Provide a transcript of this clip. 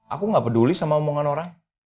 aku gak peduli sama omongan orang